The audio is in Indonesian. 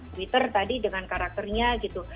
twitter tadi dengan karakternya gitu